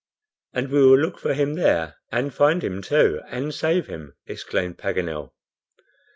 "And we will look for him there, and find him too, and save him," exclaimed Paganel.